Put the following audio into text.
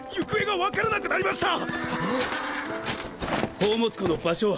宝物庫の場所は？